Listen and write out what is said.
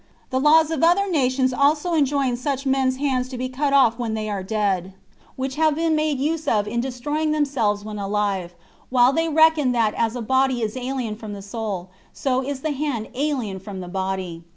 The laws of other nations also enjoin such men's hands to be cut off when they are dead, which had been made use of in destroying themselves when alive, while they reckoned that as the body is alien from the soul, so is the hand alien from the body.